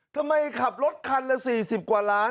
ขับรถคันละ๔๐กว่าล้าน